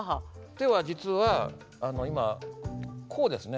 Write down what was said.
手は実はこうですね。